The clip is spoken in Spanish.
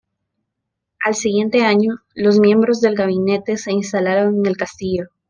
Al siguiente año, los miembros del gabinete se instalaron en el castillo.